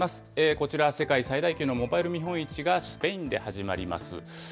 こちら、世界最大級のモバイル見本市がスペインで始まります。